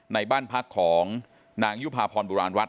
ในบ้านพักของนางยุภาพรบุราณวัด